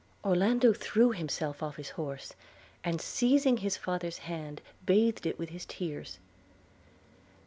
Orlando threw himself off his horse, and, seizing his father's hand, bathed it with his tears.